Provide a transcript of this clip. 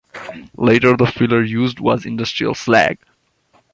Later the filler used was industrial slag.